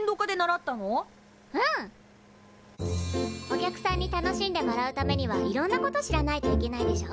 お客さんに楽しんでもらうためにはいろんなこと知らないといけないでしょ？